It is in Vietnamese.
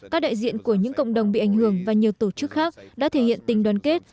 các đại diện của những cộng đồng bị ảnh hưởng và nhiều tổ chức khác đã thể hiện tình đoàn kết